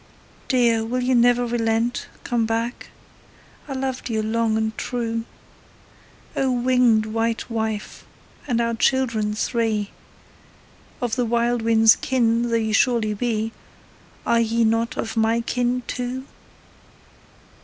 Dear, will you never relent, come back? I loved you long and true. O winged white wife, and our children three, Of the wild wind's kin though you surely be, Are ye not of my kin too?